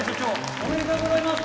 おめでとうございます